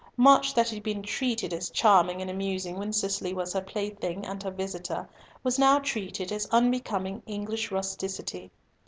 Much that had been treated as charming and amusing when Cicely was her plaything and her visitor was now treated as unbecoming English rusticity.